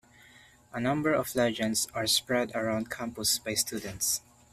A number of legends are spread around campus by students.